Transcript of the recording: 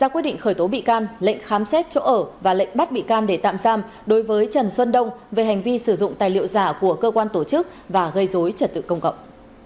ra quyết định khởi tố bị can lệnh khám xét chỗ ở và lệnh bắt bị can để tạm giam đối với trần xuân đông về hành vi sử dụng tài liệu giả của cơ quan tổ chức và gây dối trật tự công cộng